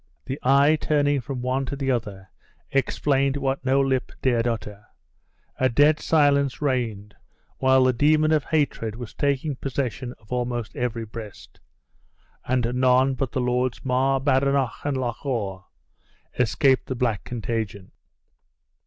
The eye, turning from one to the other, explained what no lip dared utter. A dead silence reigned, while the demon of hatred was taking possession of almost every beast; and none but the Lords Mar, Badenoch, and Loch awe, escaped the black contagion.